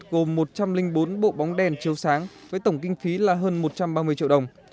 gồm một trăm linh bốn bộ bóng đèn chiếu sáng với tổng kinh phí là hơn một trăm ba mươi triệu đồng